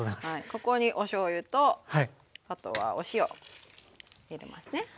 ここにおしょうゆとあとはお塩入れますね。